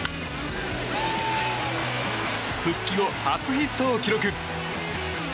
復帰後初ヒットを記録。